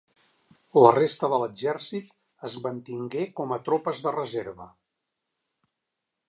La resta de l'exèrcit es mantingué com a tropes de reserva.